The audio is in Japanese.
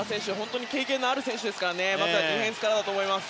経験のある選手なのでまずディフェンスからだと思います。